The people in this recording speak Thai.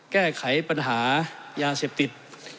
แก้ไขปัญหายาเสพติด